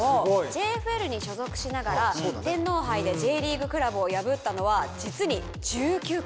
ＪＦＬに所属しながら天皇杯でＪリーグクラブを破ったのは実に１９回。